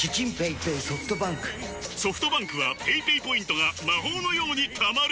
ソフトバンクはペイペイポイントが魔法のように貯まる！